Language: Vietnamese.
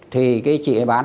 thì cái chị ấy bán hàng